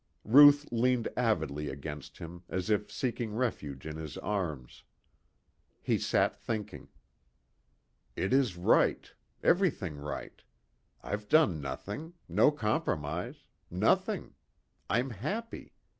Ruth leaned avidly against him as if seeking refuge in his arms. He sat thinking. "It is right. Everything right. I've done nothing. No compromise. Nothing. I'm happy.